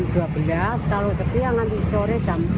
kalau setia nanti sore jam tujuh